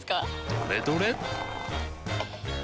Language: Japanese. どれどれっ！